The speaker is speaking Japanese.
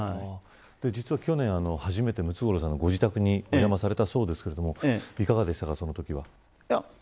実は去年初めてムツゴロウさんのご自宅にお邪魔されたそうですがいかがでしたか。